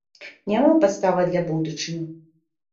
Няма падставы для будучыні.